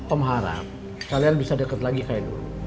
om harap kalian bisa dekat lagi kayak dulu